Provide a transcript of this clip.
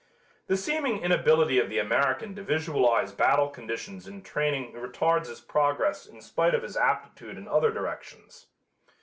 The seeming inability of the American to visualize battle conditions in training retards his progress in spite of his aptitude in other directions.